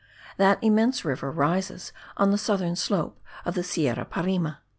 That immense river rises on the southern slope of the Sierra Parime.